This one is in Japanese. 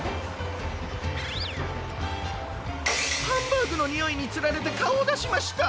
ハンバーグのにおいにつられてかおをだしました！